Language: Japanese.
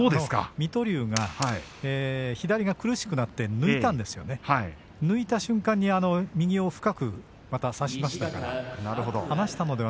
水戸龍が左が苦しくなって抜いた瞬間に右を深く松鳳山が差しました。